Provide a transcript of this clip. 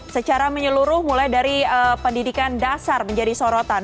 secara menyeluruh mulai dari pendidikan dasar menjadi sorotan